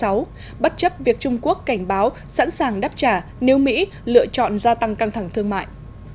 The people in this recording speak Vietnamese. sẽ được công bố trong ngày hôm nay bất chấp việc trung quốc cảnh báo sẵn sàng đáp trả nếu mỹ lựa chọn gia tăng căng thẳng thương mại